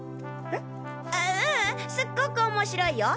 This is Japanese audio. ううんすっごく面白いよ！